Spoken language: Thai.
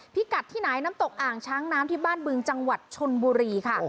พิกัดที่ไหนน้ำตกอ่างช้างน้ำที่บ้านบึงจังหวัดชนบุรีค่ะ